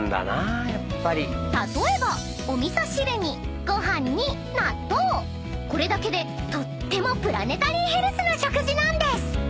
［例えばお味噌汁にご飯に納豆これだけでとってもプラネタリーヘルスな食事なんです］